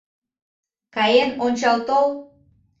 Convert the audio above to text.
— Каен ончал тол.